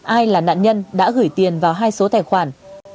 ai là nạn nhân đã gửi tiền vào hai số tài khoản